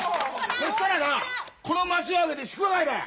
そしたらなこの町を挙げて祝賀会だよ！